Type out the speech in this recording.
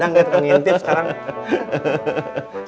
kamu kayak dadang ngintip sekarang